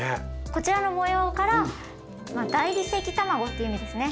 こちらの模様から大理石たまごっていう意味ですね。